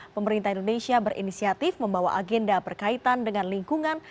pemerintah indonesia berinisiatif membawa agenda berkaitan dengan lingkungan